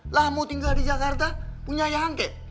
lah mau tinggal di jakarta punya ayah yang kek